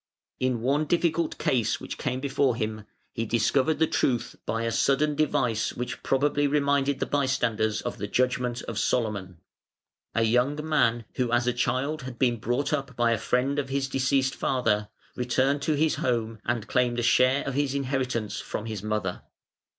In one difficult case which came before him, he discovered the truth by a sudden device which probably reminded the bystanders of the Judgment of Solomon, A young man who as a child had been brought up by a friend of his deceased father, returned to his home and claimed a share of his inheritance from his mother.